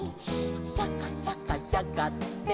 「シャカシャカシャカって」